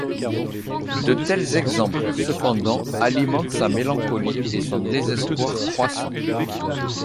De tels exemples, cependant, alimentent sa mélancolie et son désespoir croissants.